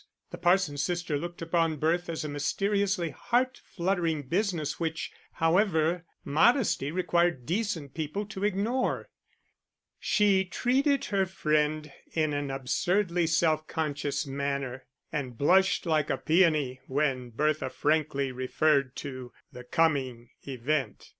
The parson's sister looked upon birth as a mysteriously heart fluttering business, which, however, modesty required decent people to ignore. She treated her friend in an absurdly self conscious manner, and blushed like a peony when Bertha frankly referred to the coming event.